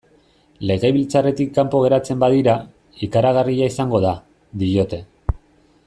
Legebiltzarretik kanpo geratzen badira, ikaragarria izango da, diote.